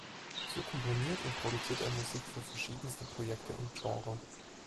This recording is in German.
So komponiert und produziert er Musik für verschiedenste Projekte und Genre.